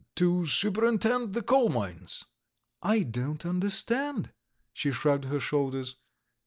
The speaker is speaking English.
To superintend the coal mines." "I don't understand!" she shrugged her shoulders.